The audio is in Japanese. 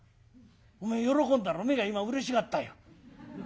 おめえ喜んだろ目が今うれしがったよ。